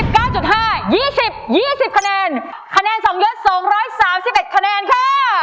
โอเคค่ะ๑๙๕๒๐๒๐คะแนนคะแนนสองเลือดสองร้อยสามสิบเอ็ดคะแนนค่ะ